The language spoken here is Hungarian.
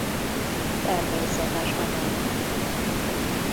Természetes anyag.